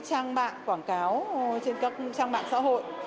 ta đừng đăng ký với các trang mạng quảng cáo trên các trang mạng xã hội